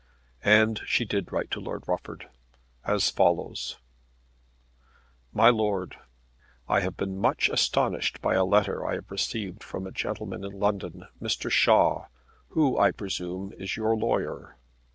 And she did write to Lord Rufford as follows: MY LORD, I have been much astonished by a letter I have received from a gentleman in London, Mr. Shaw, who I presume is your lawyer.